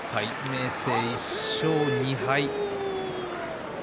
明生、１勝２敗。